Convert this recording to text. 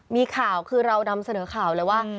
มีข่าวคือเรานำเสนอข่าวเลยว่า